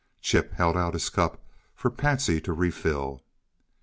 Chip held out his cup for Patsy to refill.